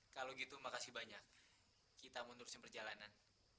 terima kasih banyak kita menerusin perjalanan